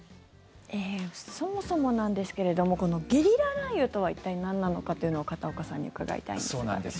そもそもなんですけれどもこのゲリラ雷雨とは一体なんなのかというのを片岡さんに伺いたいんですが。